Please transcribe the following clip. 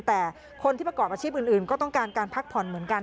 แต่คนที่ประกอบอาชีพอื่นก็ต้องการการพักผ่อนเหมือนกัน